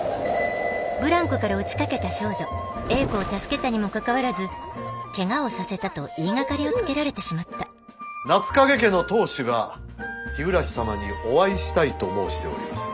ブランコから落ちかけた少女英子を助けたにもかかわらずケガをさせたと言いがかりをつけられてしまった夏影家の当主が日暮様にお会いしたいと申しております。